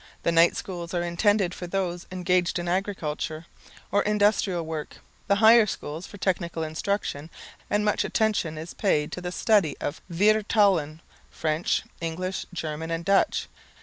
The night schools are intended for those engaged in agricultural or industrial work; the "higher schools" for technical instruction, and much attention is paid to the study of the vier talen French, English, German and Dutch.